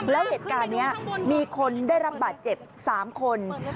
แล้วเหตุการณ์นี้มีคนได้รับบาดเจ็บ๓คน